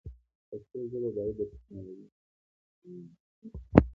پښتو ژبه باید د ټکنالوژۍ په نړۍ کې همغږي شي.